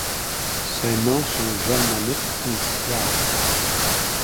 Ces noms sont germaniques ou slaves.